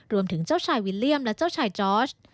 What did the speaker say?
รวมถึงเจ้าชายวิลเลี่ยมและเจ้าชายจอร์ช